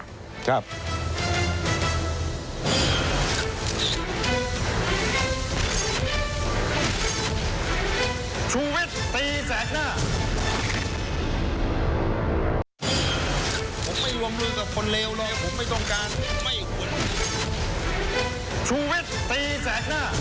ดูวิทย์ตีแสดงหน้า